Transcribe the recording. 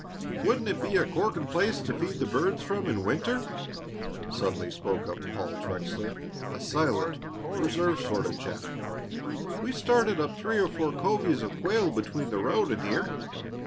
"Wouldn't it be a corking place to feed the birds from in winter!" suddenly spoke up Paul Trexler, a silent, reserved sort of chap. "We started up three or four covies of quail between the road and here."